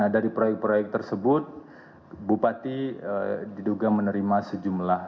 dari proyek proyek tersebut bupati diduga menerima sejumlah